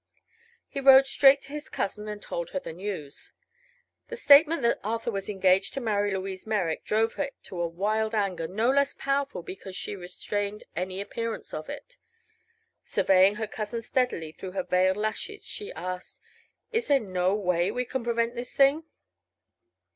He rode straight to his cousin and told her the news. The statement that Arthur was engaged to marry Louise Merrick drove her to a wild anger no less powerful because she restrained any appearance of it. Surveying her cousin steadily through her veiled lashes she asked: "Is there no way we can prevent this thing?"